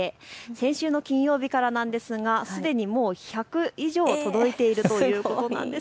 先週の金曜日からなんですがすでにもう１００以上届いているということなんです。